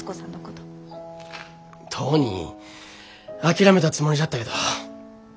とうに諦めたつもりじゃったけど。